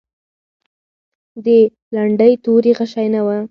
د لنډۍ توري غشی نه و.